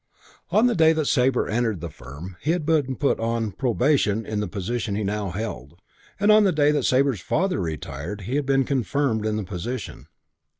On the day that Sabre entered the firm he had been put "on probation" in the position he now held, and on the day that Sabre's father retired he had been confirmed in the position.